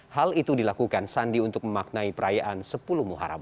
hal itu dilakukan sandi untuk memaknai perayaan sepuluh muharam